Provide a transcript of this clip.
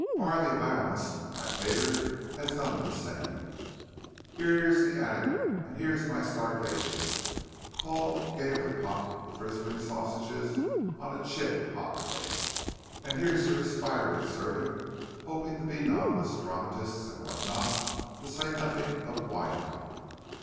Bar the allowance, my pater has done the same. Here's the attic, and here's my starvation" Paul gaily popped the frizzling sausages on a chipped hot plate "and here's your aspiring servant hoping to be novelist, dramatist, and what not to say nothing of why not?